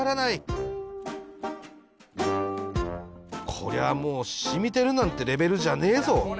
こりゃもうしみてるなんてレベルじゃねえぞ